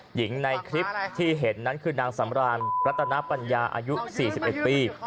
หญิงในคลิปที่เห็นนั้นคือนางสำรานรัตนปัญญาอายุ๔๑ปี